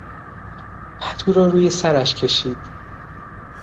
پتو را روی سرش کشید.